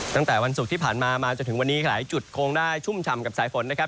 ตั้งแต่วันศุกร์ที่ผ่านมามาจนถึงวันนี้หลายจุดคงได้ชุ่มฉ่ำกับสายฝนนะครับ